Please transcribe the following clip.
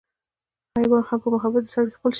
حېوان هم پۀ محبت د سړي خپل شي